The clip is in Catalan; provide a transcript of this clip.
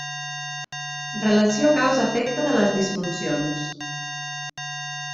Relació causa efecte de les disfuncions.